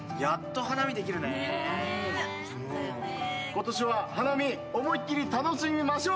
今年は花見思いっきり楽しみましょう。